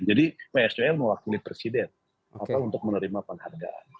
jadi pak sel mewakili presiden untuk menerima penghargaan